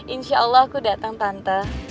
insya allah aku datang tante